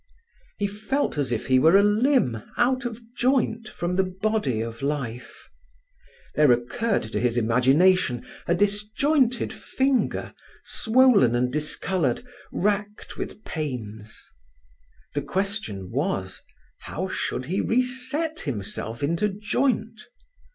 He felt as if he were a limb out of joint from the body of life: there occurred to his imagination a disjointed finger, swollen and discoloured, racked with pains. The question was, How should he reset himself into joint?